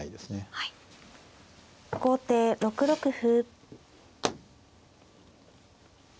後手６六歩。